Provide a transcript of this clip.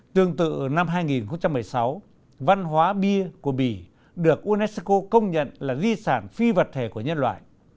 tương tự năm hai nghìn một mươi sáu văn hóa bia của bỉ được unesco công nhận là di sản phi vật thể của nhân loại